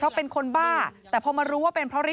เพราะเป็นคนบ้าแต่พอมารู้ว่า